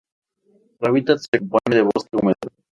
Su hábitat se compone de bosque húmedo.